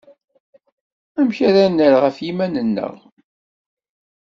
Amek ara nerr ɣef yiman-nneɣ?